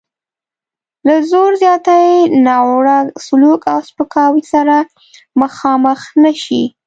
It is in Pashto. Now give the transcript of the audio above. له زور زیاتي، ناوړه سلوک او سپکاوي سره مخامخ نه شي.